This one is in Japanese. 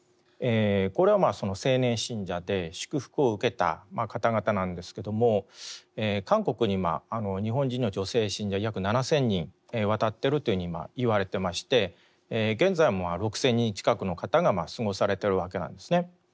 これは青年信者で祝福を受けた方々なんですけども韓国に日本人の女性信者約７，０００人渡っていると今言われていまして現在も６，０００人近くの方が過ごされているわけなんですね。